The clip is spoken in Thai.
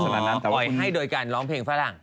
ปล่อยให้โดยการร้องเพลงฝรั่ง